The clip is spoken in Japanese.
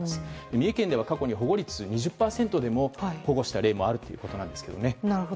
三重県では過去に保護率２０％でも保護した例もあるということですけどね。